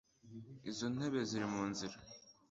izo ntebe ziri munzira